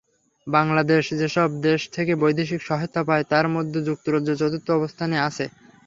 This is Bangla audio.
বাংলাদেশ যেসব দেশ থেকে বৈদেশিক সহায়তা পায় তার মধ্যে যুক্তরাজ্য চতুর্থ অবস্থানে আছে।